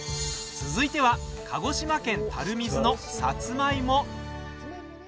続いては、鹿児島県垂水のさつまいも。